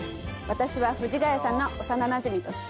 「私は藤ヶ谷さんの幼なじみとして」